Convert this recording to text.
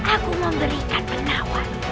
aku mau berikan penawar